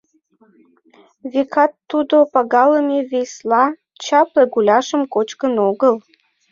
Векат тудо, пагалыме Вейсла, чапле гуляшым кочкын огыл.